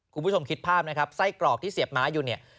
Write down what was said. คุณผู้ชมคิดภาพนะครับไส้กรอกที่เสียบม้าอยู่เนี่ย